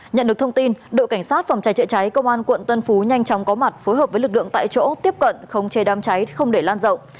nhận được thông tin đội cảnh sát phòng cháy chạy cháy công an quận tân phú nhanh chóng có mặt phối hợp với lực lượng tại chỗ tiếp cận không chê đam cháy không để lan rộng